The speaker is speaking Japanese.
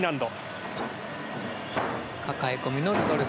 抱え込みのルドルフ。